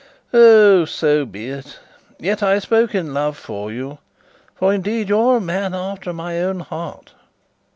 "Oh, so be it! Yet I spoke in love for you; for indeed you are a man after my own heart."